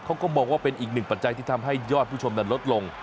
เขาก็มองว่าเป็นอีกหนึ่งปัจจัยที่ทำให้ยอดผู้ชมนั้นลดลง